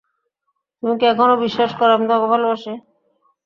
তুমি কি এখনো বিশ্বাস করো আমি তোমাকে ভালোবাসি?